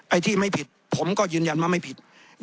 ไอ้ที่ไม่ผิดผมก็ยืนยันว่าไม่ผิด